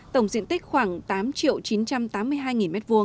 tổng diện tích khoảng tám chín trăm tám mươi hai m hai